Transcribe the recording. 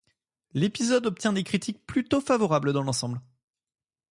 L'épisode obtient des critiques plutôt favorables dans l'ensemble.